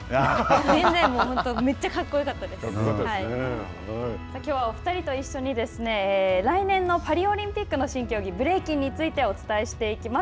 全然きょうはお２人と一緒に来年のパリオリンピックの新競技、ブレイキンについてお伝えしていきます。